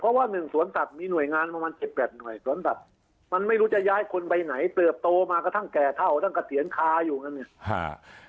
เพราะว่าหนึ่งสวนสัตว์มีหน่วยงานประมาณสิบแปดหน่วยสวนสัตว์มันไม่รู้จะย้ายคนไปไหนเติบโตมากระทั่งแก่เท่าทั้งเกษียณคาอยู่กันเนี่ย